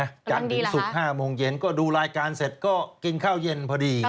จันทร์ถึงศุกร์๕โมงเย็นก็ดูรายการเสร็จก็กินข้าวเย็นพอดี